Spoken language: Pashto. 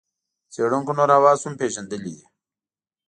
څېړونکو نور حواس هم پېژندلي دي.